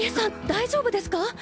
大丈夫ですか？